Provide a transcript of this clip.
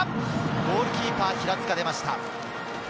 ゴールキーパー・平塚が出ました。